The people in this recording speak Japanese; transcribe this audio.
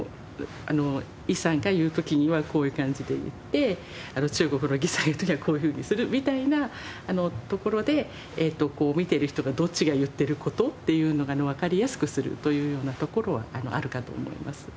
李さんが言う時にはこういう感じで言って中国の魏さんが言う時にはこういうふうにするみたいなところで見ている人がどっちが言ってる事？っていうのがわかりやすくするというようなところはあるかと思います。